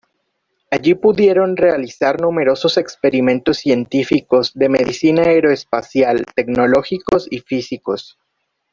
Allí pudieron realizar numerosos experimentos científicos, de medicina aeroespacial, tecnológicos y físicos.